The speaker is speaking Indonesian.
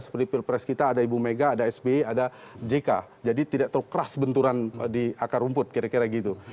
seperti pilpres kita ada ibu mega ada sbi ada jk jadi tidak terlalu keras benturan di akar rumput kira kira gitu